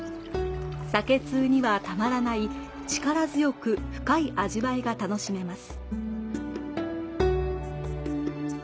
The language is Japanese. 酒通にはたまらない、力強く深い味わいが楽しめます。